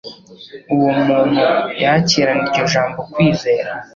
Uwo muntu yakiranye iryo jambo kwizera.